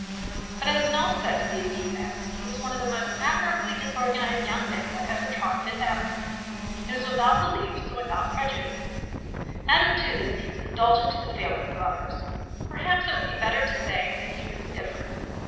But as an offset to these defects he was one of the most admirably disorganized young men that ever trod Fifth avenue. He was without beliefs and without prejudices; added to this he was indulgent to the failings of others, or perhaps it would be better to say that he was indifferent.